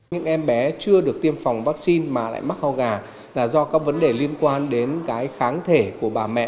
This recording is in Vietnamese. những em bé chưa được tiêm phòng vaccine mà lại mắc ho gà là do các vấn đề liên quan đến cái kháng thể của bà mẹ